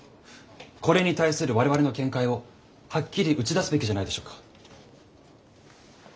これに対する我々の見解をはっきり打ち出すべきじゃないでしょうか。